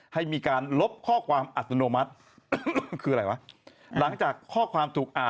แล้วพอเราอ่านเราเปิดดูแล้วก็จบเลยไม่มีการค้างพิงไว้ไง